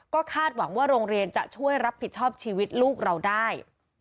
ก็คาดหวังว่าโรงเรียนจะช่วยรับผิดชอบชีวิตลูกเราได้